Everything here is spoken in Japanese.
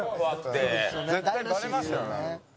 「絶対バレますよね」